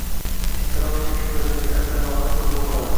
Iztirob chekib yozilgan asar rohat qilib o’qiladi.